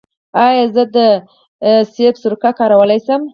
ایا زه د مڼې سرکه کارولی شم؟